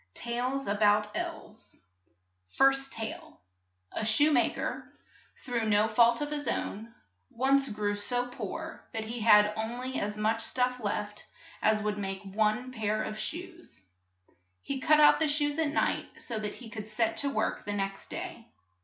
TALES ABOUT ELVES FIRST TALE ASHOE MA KER, through no fault of his own, once grew so poor that he had on ly as much stuff left as would make one pair of shoes. He cut out the shoes at night so that he could set to work the next day.